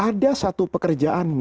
ada satu pekerjaannya